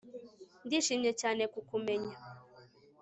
ndishimye cyane kukumenya